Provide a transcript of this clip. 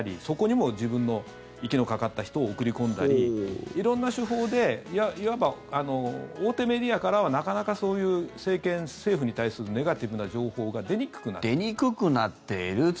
そこにも自分の息のかかった人を送り込んだり色んな手法でいわば大手メディアからはなかなかそういう政権、政府に対するネガティブな情報が出にくくなっている。